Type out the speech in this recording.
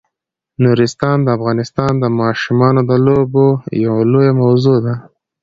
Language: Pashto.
نورستان د افغانستان د ماشومانو د لوبو یوه لویه موضوع ده.